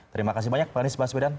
terima kasih banyak pak anies baswedan